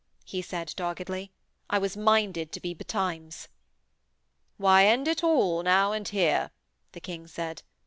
he said doggedly. 'I was minded to be betimes.' 'Why, end it all, now and here,' the King said.